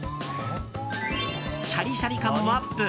シャリシャリ感もアップ！